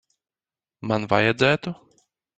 Man vajadzētu?